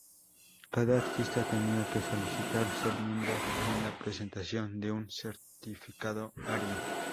Cada artista tenía que solicitar ser miembro en la presentación de un certificado ario.